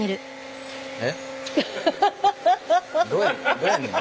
どうやねん？